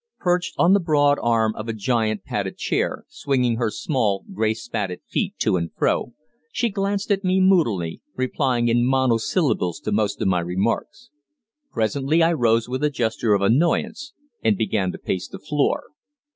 Perched on the broad arm of a giant padded chair, swinging her small, grey spatted feet to and fro, she glanced at me moodily, replying in monosyllables to most of my remarks. Presently I rose with a gesture of annoyance, and began to pace the floor.